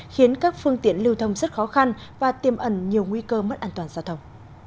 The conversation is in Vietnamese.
khiến các phương tiện lưu thông rất khó khăn và tiêm ẩn nhiều nguy cơ mất an toàn giao thông